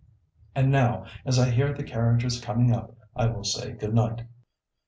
And now, as I hear the carriages coming up, I will say good night."